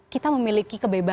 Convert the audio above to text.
kita memiliki kebebasan pers